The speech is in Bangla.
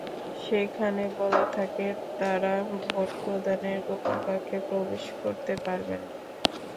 সেখানে বলা থাকে, তাঁরা ভোট প্রদানের গোপন কক্ষে প্রবেশ করতে পারবেন না।